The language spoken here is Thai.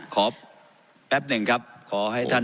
แป๊บหนึ่งครับขอให้ท่าน